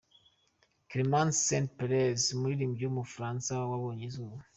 Clémence Saint-Preux, umuririmbyi w’umufaransa yabonye izuba.